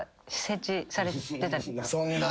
そんな。